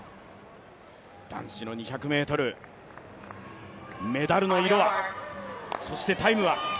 男子の２００ｍ、メダルの色は、そしてタイムは。